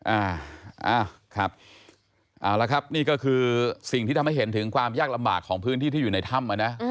อ่าอ้าวครับเอาละครับนี่ก็คือสิ่งที่ทำให้เห็นถึงความยากลำบากของพื้นที่ที่อยู่ในถ้ำอ่ะนะ